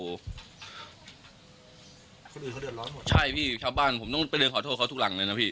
คนอื่นเขาเดือดร้อนหมดใช่พี่ชาวบ้านผมต้องไปเรียนขอโทษเขาทุกหลังเลยนะพี่